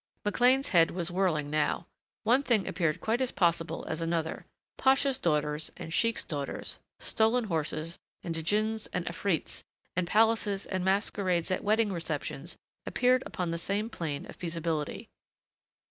McLean's head was whirling now. One thing appeared quite as possible as another. Pasha's daughters and sheik's daughters, stolen horses and Djinns and Afrits and palaces and masquerades at wedding receptions appeared upon the same plane of feasibility.